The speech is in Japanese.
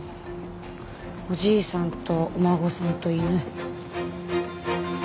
おじいさんとお孫さんと犬。